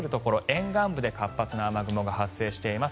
沿岸部で活発な雨雲が発生しています。